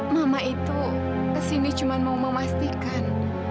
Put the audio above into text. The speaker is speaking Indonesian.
mama itu kesini cuma mau memastikan